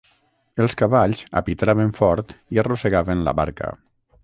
Els cavalls apitraven fort i arrossegaven la barca.